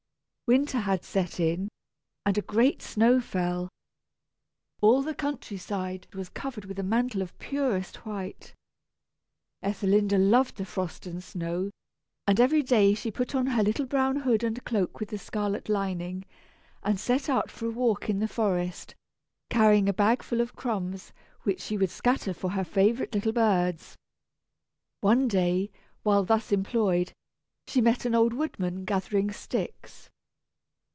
Winter had set in, and a great snow fell. All the country side was covered with a mantle of purest white. Ethelinda loved the frost and snow, and every day she put on her little brown hood and cloak with the scarlet lining, and set out for a walk in the forest, carrying a bagful of crumbs, which she would scatter for her favorite little birds. One day, while thus employed, she met an old woodman gathering sticks.